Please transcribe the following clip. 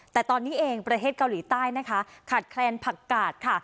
แต่ตอนนี้เองประเทศเกาหลีใต้นะคะขาดแคลนผักกาดค่ะ